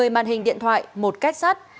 một mươi màn hình điện thoại một kết sắt